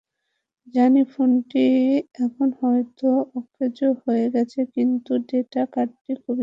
জানি, ফোনটি এখন হয়তো অকেজো হয়ে গেছে, কিন্তু ডেটা কার্ডটি খুবই দরকার।